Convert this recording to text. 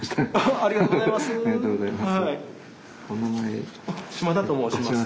ありがとうございます。